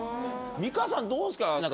美香さんどうですか？